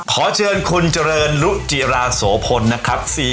ขอเชิญคุณเจริญรุจิราโสพลนะครับ